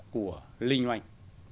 của linh oanh